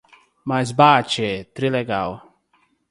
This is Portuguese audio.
Mas bah tchê, trilegal